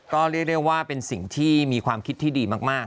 ก็เรียกได้ว่าเป็นสิ่งที่มีความคิดที่ดีมาก